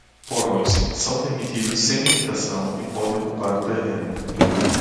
Porões: são permitidos sem limitação e podem ocupar o terreno.